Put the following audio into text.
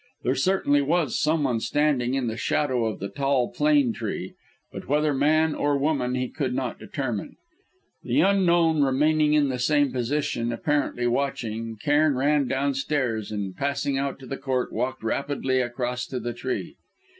There certainly was someone standing in the shadow of the tall plane tree but whether man or woman he could not determine. The unknown remaining in the same position, apparently watching, Cairn ran downstairs, and, passing out into the Court, walked rapidly across to the tree.